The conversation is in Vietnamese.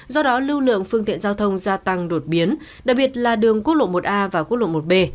do đó lưu lượng phương tiện giao thông gia tăng đột biến đặc biệt là đường quốc lộ một a và quốc lộ một b